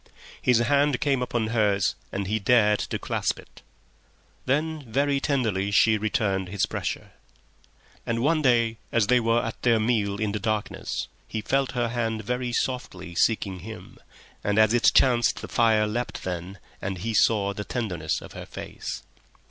His hand came upon hers and he dared to clasp it. Then very tenderly she returned his pressure. And one day, as they were at their meal in the darkness, he felt her hand very softly seeking him, and as it chanced the fire leapt then, and he saw the tenderness of her face.